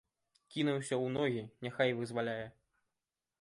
Кінуся ў ногі, няхай вызваляе.